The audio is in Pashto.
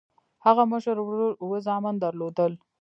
هغه مشر ورور اووه زامن درلودل.